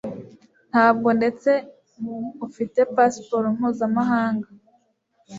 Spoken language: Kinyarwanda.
ntabwo ndetse ufite pasiporo mpuzamahanga